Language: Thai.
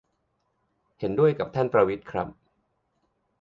เห็นด้วยกับท่านประวิตรครับ